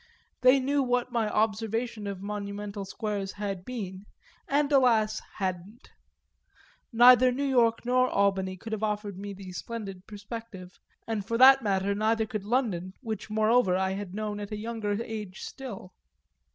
They knew what my observation of monumental squares had been and alas hadn't; neither New York nor Albany could have offered me the splendid perspective, and, for that matter, neither could London, which moreover I had known at a younger age still.